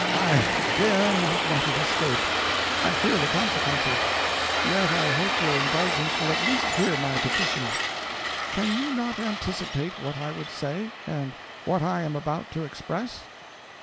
I dare not let it escape. I fear the consequences; yet I hope your indulgence will at least hear my petition. Can you not anticipate what I would say, and what I am about to express?